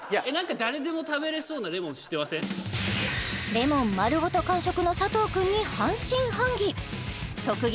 レモン丸ごと完食の佐藤くんに半信半疑特技